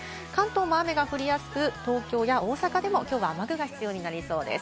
関東も雨が降りやすく、東京や大阪でもきょうは雨具が必要になりそうです。